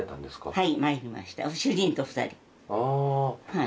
はい。